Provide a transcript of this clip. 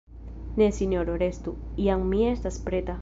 Ne, Sinjoro, restu; jam mi estas preta.